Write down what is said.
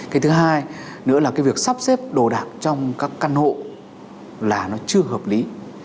cái thứ hai nữa là cái việc sắp xếp đồ đạc trong các căn hộ là nó chưa hợp lý